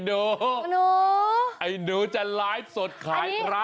ไอ้หนูไอ้หนูไอ้หนูจะไลฟ์สดขายพระ